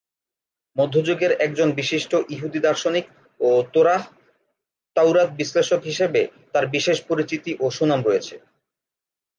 মধ্যযুগের একজন বিশিষ্ট ইহুদি দার্শনিক ও তোরাহ/তাউরাত বিশ্লেষক হিসেবে তার বিশেষ পরিচিতি ও সুনাম রয়েছে।